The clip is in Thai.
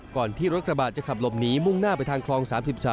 ก่อนที่รถกระบะจะขับหลบหนีมุ่งหน้าไปทางคลอง๓๓